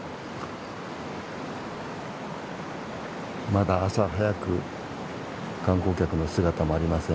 まだ朝早く観光客の姿もありません。